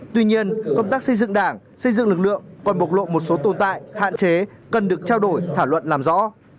tuy nhiên công tác xây dựng đảng xây dựng lực lượng còn bộc lộ một số tồn tại hạn chế cần được trao đổi thảo luận làm rõ